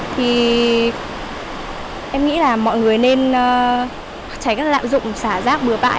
thì em nghĩ là mọi người nên tránh lạm dụng xả rác bừa bãi